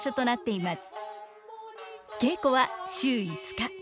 稽古は週５日。